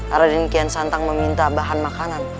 arodin kian santang meminta bahan makanan